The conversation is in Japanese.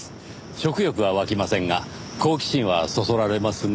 食欲は湧きませんが好奇心はそそられますね。